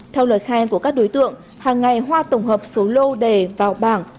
theo lời khai của các đối tượng hàng ngày hoa tổng hợp số lô đề vào bảng